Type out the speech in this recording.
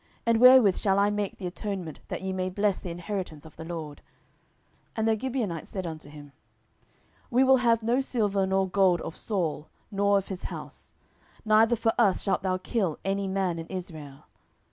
and wherewith shall I make the atonement, that ye may bless the inheritance of the LORD? 10:021:004 And the Gibeonites said unto him, We will have no silver nor gold of Saul, nor of his house; neither for us shalt thou kill any man in Israel.